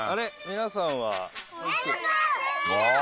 皆さんは。